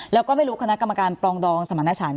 แล้วก็ไม่รู้คณะกรรมการปรองดองสมรรถฉัน